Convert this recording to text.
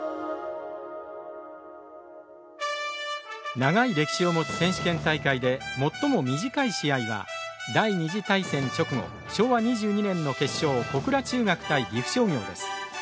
長い歴史を持つ選手権大会で最も短い試合は第２次大戦直後昭和２２年の決勝小倉中学対、岐阜商業です。